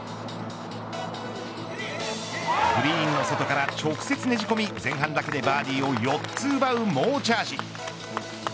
グリーンの外から直接ねじ込み前半だけでバーディーを４つ奪う猛チャージ。